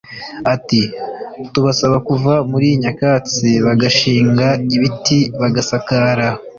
Ati “Tubasaba kuva muri nyakatsi bagashinga ibiti bagasakara